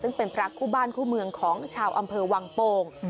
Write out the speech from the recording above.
ซึ่งเป็นพระคู่บ้านคู่เมืองของชาวอำเภอวังโป่ง